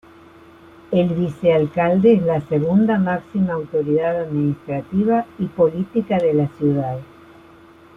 El vicealcalde es la segunda máxima autoridad administrativa y política de la ciudad.